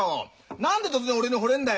何で突然俺にほれんだよ！